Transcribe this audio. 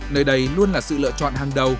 nơi đây luôn là sự lựa chọn hàng đầu